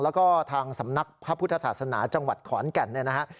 แล้วก็ทางสำนักพระพุทธศาสนาจังหวัดขอนแก่นเนี่ยนะฮะ